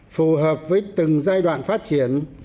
phù hợp với từng giai đoạn phát triển